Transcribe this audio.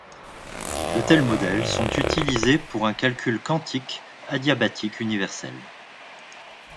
De tels modèles sont utilisés pour un calcul quantique adiabatique universel.